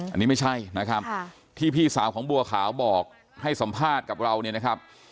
อันนี้ไม่ใช่นะครับที่พี่สาวของบัวขาวบอกให้สัมภาษณ์กับเราเนี่ยนะครับ